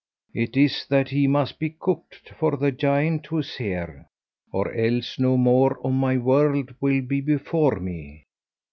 'It is that he must be cooked for the giant who is here, or else no more of my world will be before me.'